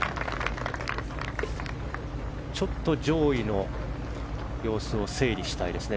上位の様子を整理したいですね。